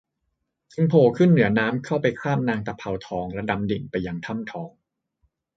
จึงโผล่ขึ้นเหนือน้ำเข้าไปคาบนางตะเภาทองแล้วดำดิ่งไปยังถ้ำทอง